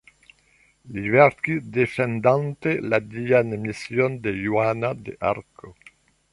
Li verkis defendante la dian mision de Johana de Arko.